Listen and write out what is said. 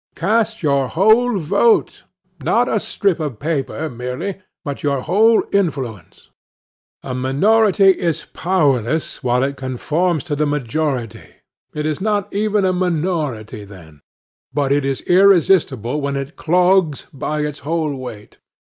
Cast your whole vote, not a strip of paper merely, but your whole influence. A minority is powerless while it conforms to the majority; it is not even a minority then; but it is irresistible when it clogs by its whole weight.